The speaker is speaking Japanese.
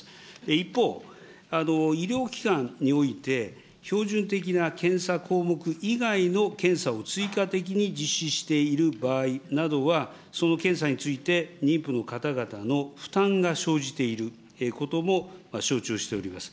一方、医療機関において標準的な検査項目以外の検査を追加的に実施している場合などは、その検査について妊婦の方々の負担が生じていることも承知をしております。